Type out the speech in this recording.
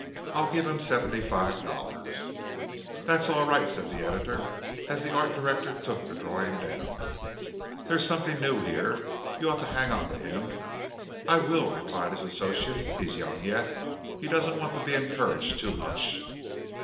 I'll give him seventy five dollars." "That's all right," said the Editor as the Art Director took the drawing down. "There's something new there. You ought to hang on to him." "I will," replied his associate. "He's young yet. He doesn't want to be encouraged too much."